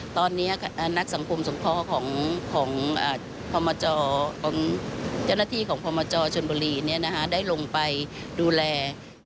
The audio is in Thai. ตอนนี้นักสังคมสมพาของเจ้าหน้าที่ของพบชนบุรีได้ลงไปดูแล